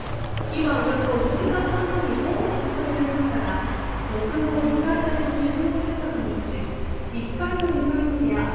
火はおよそ１時間半後にほぼ消し止められましたが木造２階建ての集合住宅のうち１階と２階の部屋